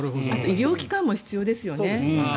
医療機関も必要ですよね。